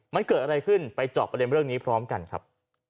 มันเกิดอะไรขึ้นไปเจาะประเด็นเรื่องนี้พร้อมกันครับ